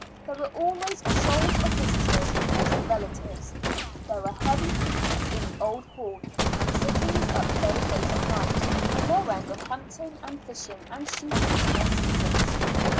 There were always shoals of visitors, mostly relatives. There were heavy feasts in the old hall, and sittings up very late at night, and no end of hunting and fishing and shooting in their seasons.